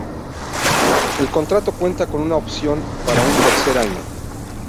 El contrato cuenta con una opción para un tercer año.